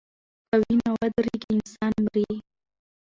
که وینه ودریږي انسان مري.